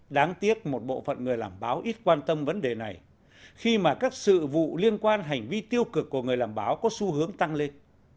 đáng tiếc một bộ phận người làm báo ít quan tâm vấn đề này khi mà các sự vụ liên quan hành vi tiêu cực của người làm báo có xu hướng tăng lên